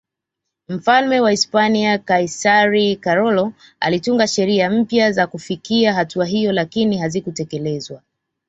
Mfalme wa Hispania Kaisari Karolo alitunga sheria mpya za kufikia hatua hiyo lakini hazikutekelezwa